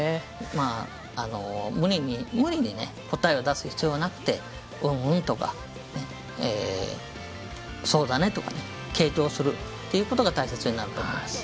まあ無理に無理にね答えを出す必要はなくて「うんうん」とか「そうだね」とかね傾聴するっていうことが大切になると思います。